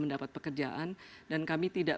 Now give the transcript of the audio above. mendapat pekerjaan dan kami tidak